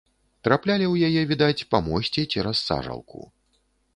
Траплялі ў яе, відаць, па мосце цераз сажалку.